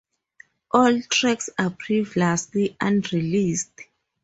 All tracks are previously unreleased.